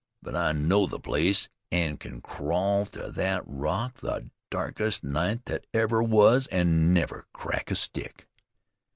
But I know the place, an' can crawl to thet rock the darkest night thet ever was an' never crack a stick."